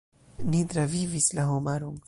"Ni travivis la homaron."